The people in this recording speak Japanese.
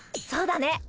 そうだね。